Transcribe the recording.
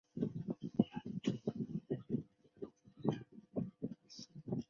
甄辅廷是一名清朝政治人物。